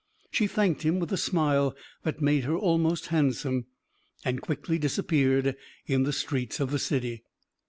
She thanked him with a smile that made her almost handsome, and quickly disappeared in the streets of the city.